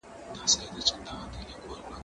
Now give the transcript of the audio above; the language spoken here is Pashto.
هغه څوک چي مينه څرګندوي مهربان وي،